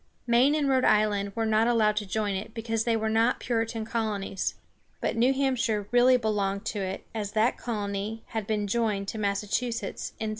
Maine and Rhode Island were not allowed to join it, because they were not Puritan colonies. But New Hampshire really belonged to it, as that colony had been joined to Massachusetts in 1641.